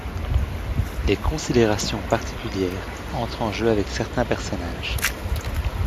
Des considérations particulières entrent en jeu avec certains personnages.